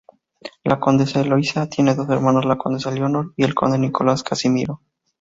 La condesa Eloísa tiene dos hermanos, la condesa Leonor y el conde Nicolás Casimiro.